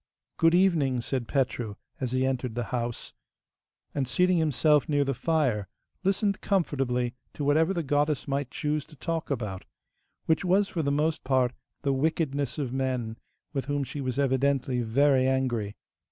'Good evening,' said Petru as he entered the house, and, seating himself near the fire, listened comfortably to whatever the goddess might choose to talk about, which was for the most part the wickedness of men, with whom she was evidently very angry.